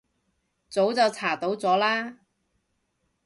早就查到咗啦